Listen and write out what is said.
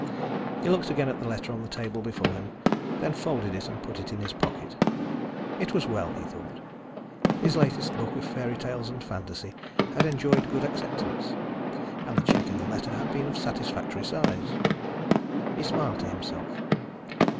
He looked again at the letter on the table before him, then folded it and put it in his pocket. It was well, he thought. His latest book of fairy tales and fantasy had enjoyed good acceptance. And the check in the letter had been of satisfactory size. He smiled to himself.